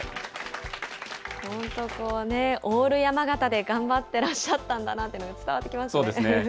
本当、オール山形で頑張ってらっしゃったんだなっていうのが伝わってきそうですね。